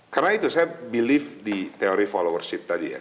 karena itu saya believe di teori followership tadi ya